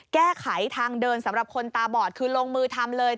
แก้ไขทางเดินสำหรับคนตาบอดคือลงมือทำเลย